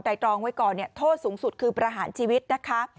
ตรองไว้ก่อนโทษสูงสุดคือประหารชีวิตนะคะ